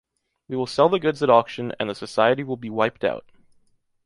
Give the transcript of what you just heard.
We will sell the goods at auction, and the society will be wiped out!